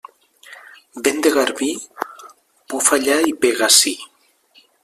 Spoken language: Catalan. Vent de garbí? Bufa allà i pega ací.